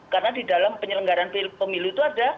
karena di dalam penyelenggaran pemilu itu ada